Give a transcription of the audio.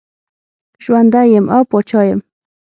ژوندی یم او پاچا یم.